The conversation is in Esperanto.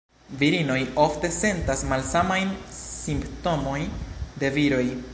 Virinoj ofte sentas malsamajn simptomoj de viroj.